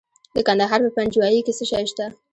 د کندهار په پنجوايي کې څه شی شته؟